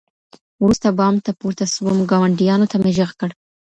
وروسته بام ته پورته سوم، ګاونډيانو ته مي ږغ کړ